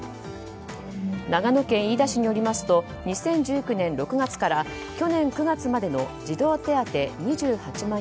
長野県飯田市によりますと２０１９年６月から去年９月までの児童手当２８万